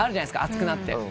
熱くなって。